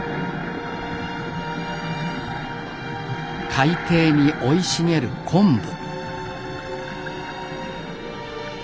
海底に生い茂る昆布。